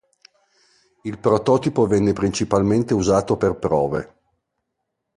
Il prototipo venne principalmente usato per prove.